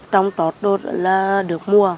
trong trót đốt là được mua